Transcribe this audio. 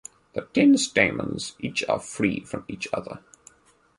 The ten stamens each are free from each other.